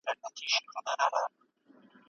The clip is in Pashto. زه دلته يم